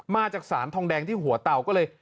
มาจากสารทองแดงที่หัวเตาก็เลย